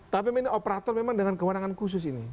tapi ini operator memang dengan kewenangan khusus ini